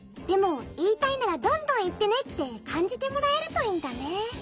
でもいいたいならどんどんいってね」ってかんじてもらえるといいんだね。